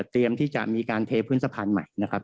ที่จะมีการเทพื้นสะพานใหม่นะครับ